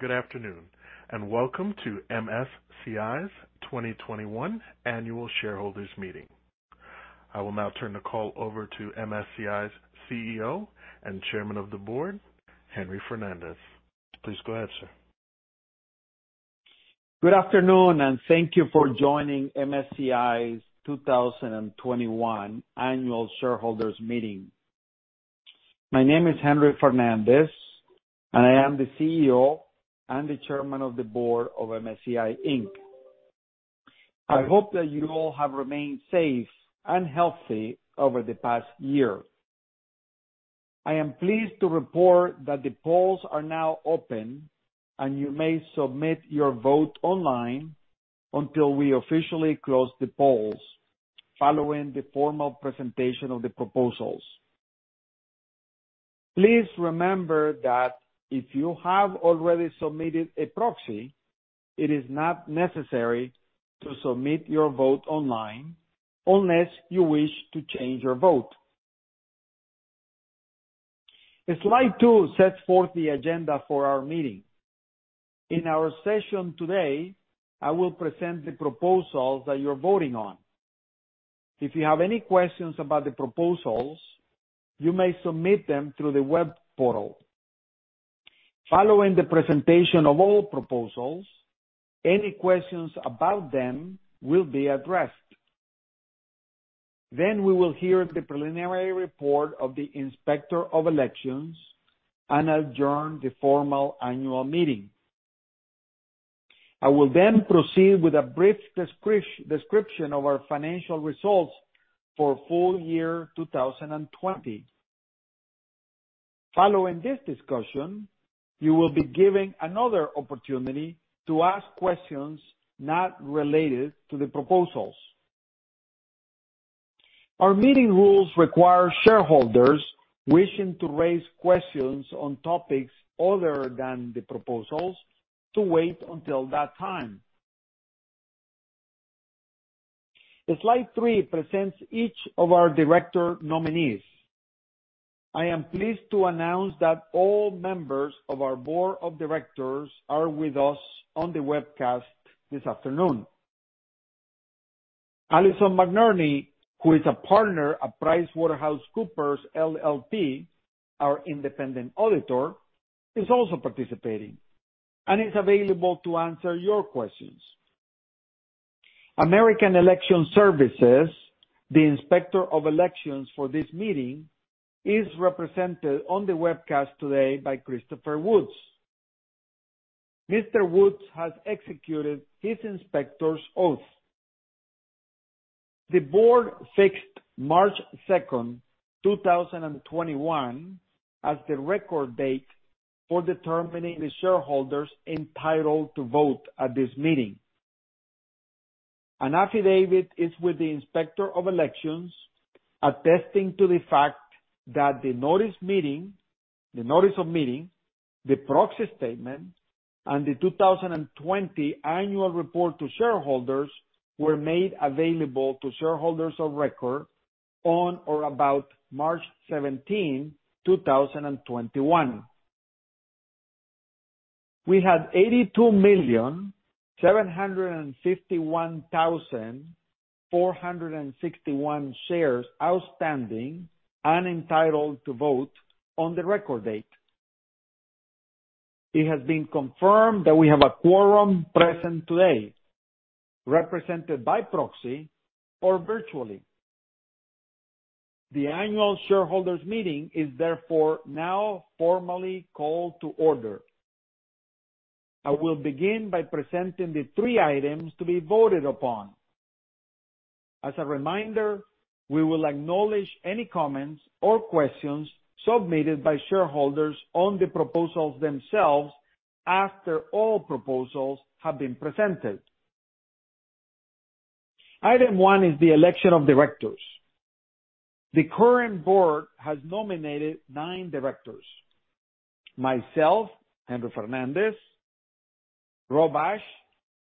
Good afternoon, welcome to MSCI's 2021 annual shareholders meeting. I will now turn the call over to MSCI's CEO and Chairman of the Board, Henry Fernandez. Please go ahead, sir. Good afternoon, and thank you for joining MSCI's 2021 annual shareholders meeting. My name is Henry Fernandez, and I am the CEO and the Chairman of the Board of MSCI Inc. I hope that you all have remained safe and healthy over the past year. I am pleased to report that the polls are now open, and you may submit your vote online until we officially close the polls following the formal presentation of the proposals. Please remember that if you have already submitted a proxy, it is not necessary to submit your vote online unless you wish to change your vote. Item two sets forth the agenda for our meeting. In our session today, I will present the proposals that you're voting on. If you have any questions about the proposals, you may submit them through the web portal. Following the presentation of all proposals, any questions about them will be addressed. We will hear the preliminary report of the Inspector of Elections and adjourn the formal annual meeting. I will then proceed with a brief description of our financial results for full-year 2020. Following this discussion, you will be given another opportunity to ask questions not related to the proposals. Our meeting rules require shareholders wishing to raise questions on topics other than the proposals to wait until that time. Slide three presents each of our director nominees. I am pleased to announce that all members of our board of directors are with us on the webcast this afternoon. Allison McNerney, who is a partner at PricewaterhouseCoopers LLP, our independent auditor, is also participating and is available to answer your questions. American Election Services, the Inspector of Elections for this meeting, is represented on the webcast today by Christopher Woods. Mr. Woods has executed his inspector's oath. The board fixed March 2nd, 2021, as the record date for determining the shareholders entitled to vote at this meeting. An affidavit is with the Inspector of Elections attesting to the fact that the notice of meeting, the proxy statement, and the 2020 annual report to shareholders were made available to shareholders of record on or about March 17, 2021. We had 82,751,461 shares outstanding and entitled to vote on the record date. It has been confirmed that we have a quorum present today, represented by proxy or virtually. The annual shareholders meeting is therefore now formally called to order. I will begin by presenting the three items to be voted upon. As a reminder, we will acknowledge any comments or questions submitted by shareholders on the proposals themselves after all proposals have been presented. Item one is the election of directors. The current board has nominated nine directors. Myself, Henry Fernandez, Robert G. Ashe,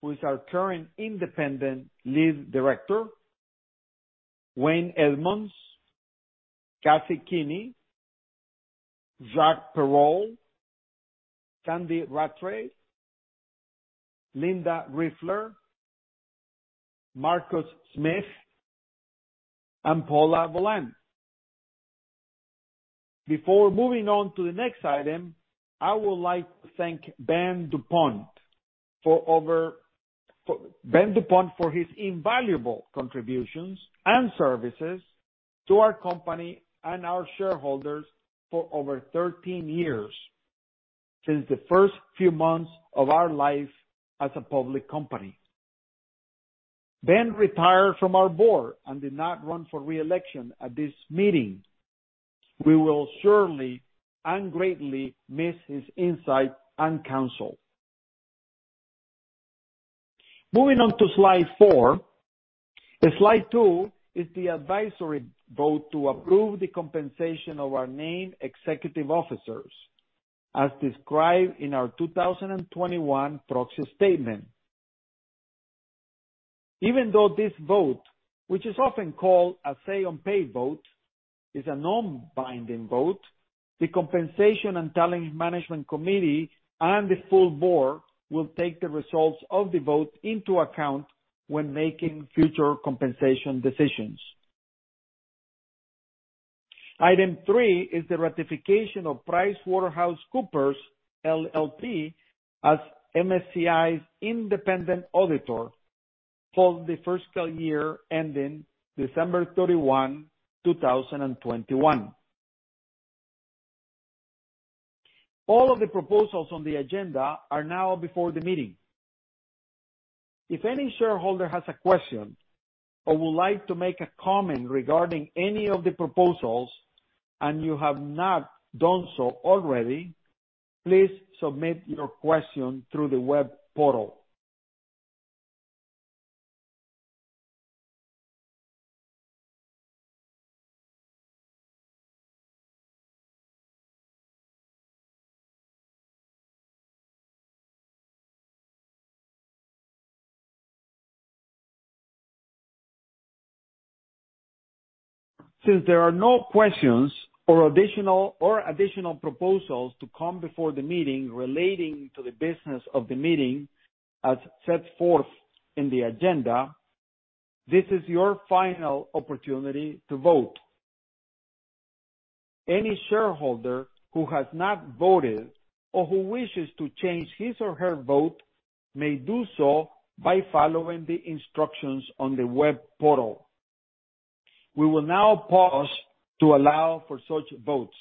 who is our current Lead Independent Director, Wayne A. Edmunds, Catherine R. Kinney, Jacques P. Perold, Sandy C. Rattray, Linda H. Riefler, Marcus L. Smith, and Paula Volent. Before moving on to the next item, I would like to thank Benjamin F. duPont for his invaluable contributions and services to our company and our shareholders for over 13 years, since the first few months of our life as a public company. Benjamin retired from our board and did not run for re-election at this meeting. We will surely and greatly miss his insight and counsel. Moving on to slide four. Slide two is the advisory vote to approve the compensation of our named executive officers, as described in our 2021 proxy statement. Even though this vote, which is often called a say-on-pay vote, is a non-binding vote, the Compensation and Talent Management Committee and the full board will take the results of the vote into account when making future compensation decisions. Item three is the ratification of PricewaterhouseCoopers LLP as MSCI's independent auditor for the fiscal year ending December 31, 2021. All of the proposals on the agenda are now before the meeting. If any shareholder has a question or would like to make a comment regarding any of the proposals, and you have not done so already, please submit your question through the web portal. Since there are no questions or additional proposals to come before the meeting relating to the business of the meeting as set forth in the agenda, this is your final opportunity to vote. Any shareholder who has not voted or who wishes to change his or her vote may do so by following the instructions on the web portal. We will now pause to allow for such votes.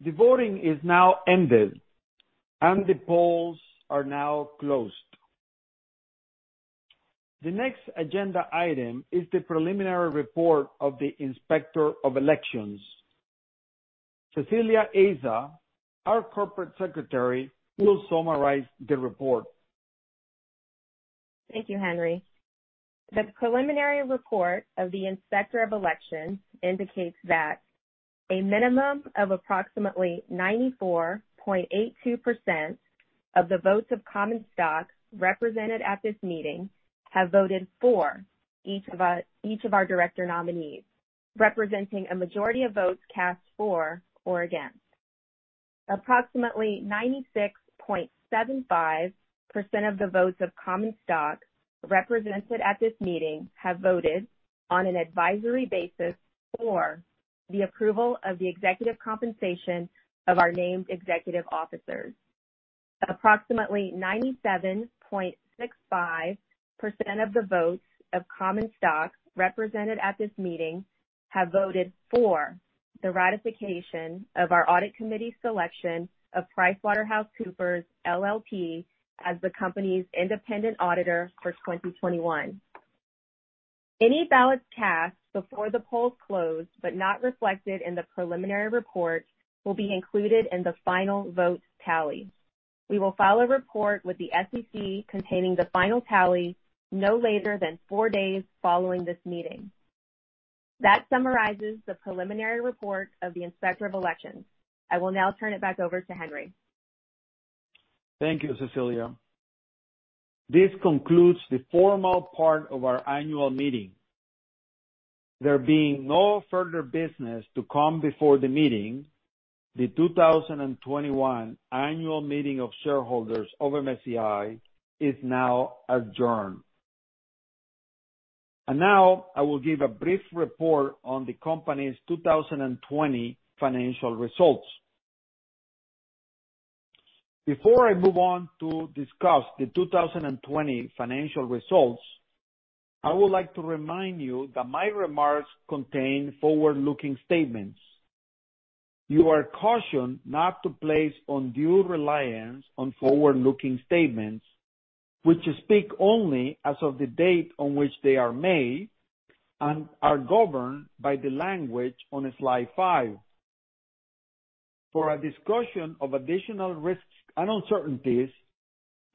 The voting is now ended, and the polls are now closed. The next agenda item is the preliminary report of the Inspector of Elections. Cecilia Aza, our Corporate Secretary, will summarize the report. Thank you, Henry. The preliminary report of the Inspector of Election indicates that a minimum of approximately 94.82% of the votes of common stock represented at this meeting have voted for each of our director nominees, representing a majority of votes cast for or against. Approximately 96.75% of the votes of common stock represented at this meeting have voted on an advisory basis for the approval of the executive compensation of our named executive officers. Approximately 97.65% of the votes of common stock represented at this meeting have voted for the ratification of our audit committee's selection of PricewaterhouseCoopers LLP as the company's independent auditor for 2021. Any ballots cast before the polls closed but not reflected in the preliminary report will be included in the final vote tally. We will file a report with the SEC containing the final tally no later than four days following this meeting. That summarizes the preliminary report of the Inspector of Elections. I will now turn it back over to Henry. Thank you, Cecilia. This concludes the formal part of our annual meeting. There being no further business to come before the meeting, the 2021 annual meeting of shareholders of MSCI is now adjourned. Now I will give a brief report on the company's 2020 financial results. Before I move on to discuss the 2020 financial results, I would like to remind you that my remarks contain forward-looking statements. You are cautioned not to place undue reliance on forward-looking statements, which speak only as of the date on which they are made and are governed by the language on slide five. For a discussion of additional risks and uncertainties,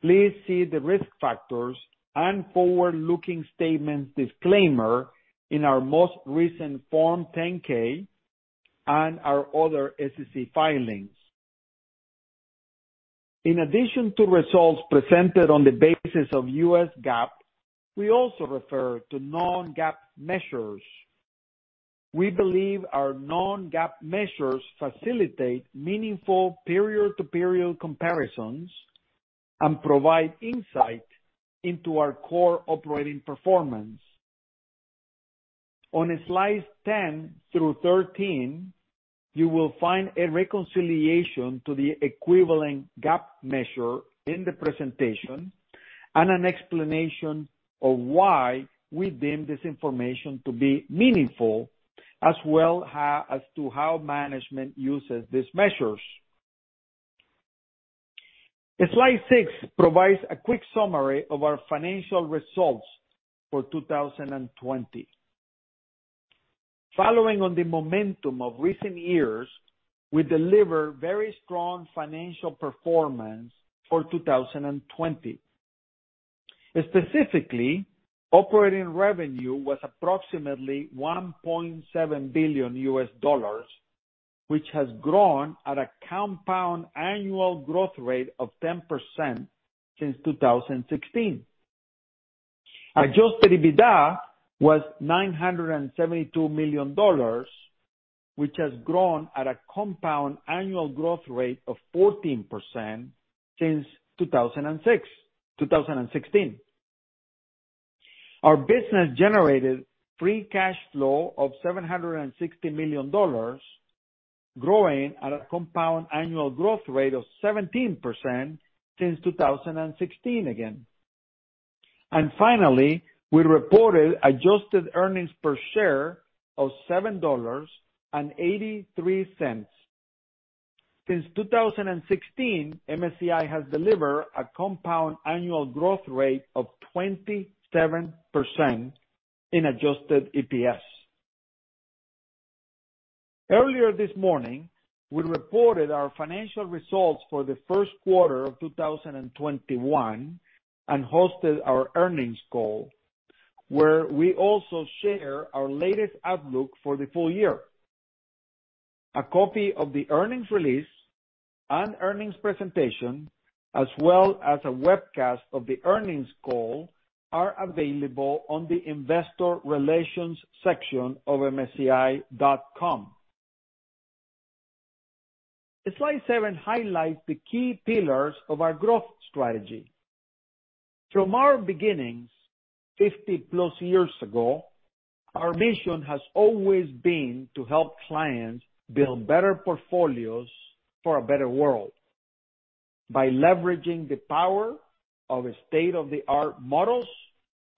please see the Risk Factors and Forward-Looking Statements Disclaimer in our most recent Form 10-K and our other SEC filings. In addition to results presented on the basis of US GAAP, we also refer to non-GAAP measures. We believe our non-GAAP measures facilitate meaningful period-to-period comparisons and provide insight into our core operating performance. On slides 10 through 13, you will find a reconciliation to the equivalent GAAP measure in the presentation and an explanation of why we deem this information to be meaningful, as well as to how management uses these measures. Slide six provides a quick summary of our financial results for 2020. Following on the momentum of recent years, we deliver very strong financial performance for 2020. Operating revenue was approximately $1.7 billion, which has grown at a compound annual growth rate of 10% since 2016. Adjusted EBITDA was $972 million, which has grown at a compound annual growth rate of 14% since 2016. Our business generated free cash flow of $760 million, growing at a compound annual growth rate of 17% since 2016 again. Finally, we reported adjusted earnings per share of $7.83. Since 2016, MSCI has delivered a compound annual growth rate of 27% in adjusted EPS. Earlier this morning, we reported our financial results for the Q1 of 2021 and hosted our earnings call, where we also share our latest outlook for the full year. A copy of the earnings release and earnings presentation, as well as a webcast of the earnings call, are available on the investor relations section of msci.com. Slide seven highlights the key pillars of our growth strategy. From our beginnings 50+ years ago, our mission has always been to help clients build better portfolios for a better world by leveraging the power of state-of-the-art models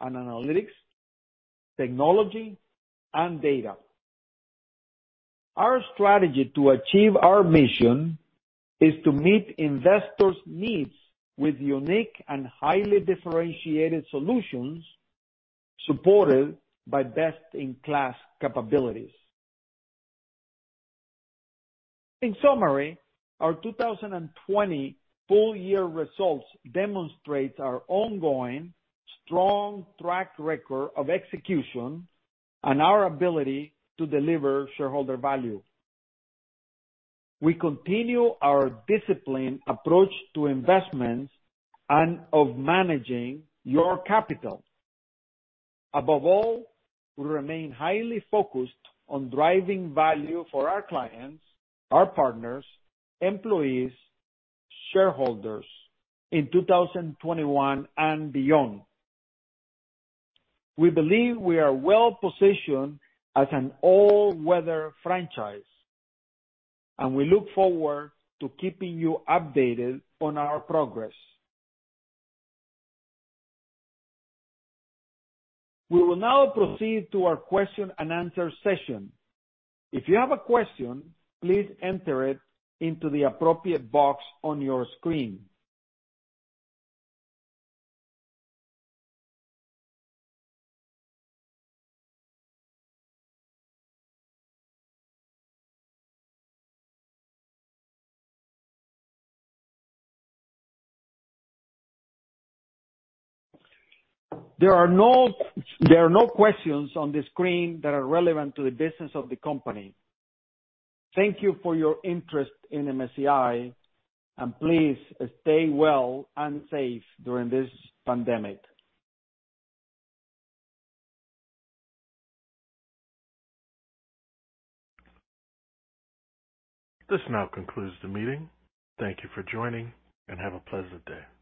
and analytics, technology, and data. Our strategy to achieve our mission is to meet investors' needs with unique and highly differentiated solutions supported by best-in-class capabilities. In summary, our 2020 full-year results demonstrate our ongoing strong track record of execution and our ability to deliver shareholder value. We continue our disciplined approach to investments and of managing your capital. Above all, we remain highly focused on driving value for our clients, our partners, employees, shareholders in 2021 and beyond. We believe we are well-positioned as an all-weather franchise, and we look forward to keeping you updated on our progress. We will now proceed to our question-and-answer session. If you have a question, please enter it into the appropriate box on your screen. There are no questions on the screen that are relevant to the business of the company. Thank you for your interest in MSCI, and please stay well and safe during this pandemic. This now concludes the meeting. Thank you for joining, and have a pleasant day.